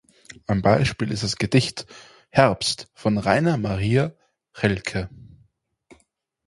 Ein Beispiel ist das Gedicht "Herbst" von Rainer Maria Rilke.